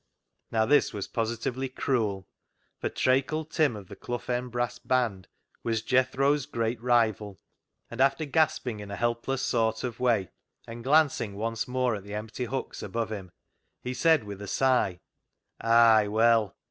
Now this was positively cruel, for Traycle Tim of the Clough End brass band was Jethro's great rival, and after gasping in a helpless sort ot way, and glancing once more at the empty hooks above him, he said with a sigh —" Ay, well